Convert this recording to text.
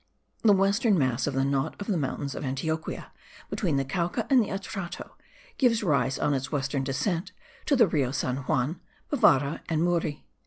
The western mass of the knot of the mountains of Antioquia, between the Cauca and the Atrato, gives rise, on its western descent, to the Rio San Juan, Bevara, and Murri.